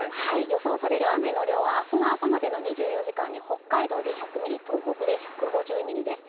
予想される雨の量は、あすの朝までの２４時間に北海道で１００ミリ、東北で１５０ミリです。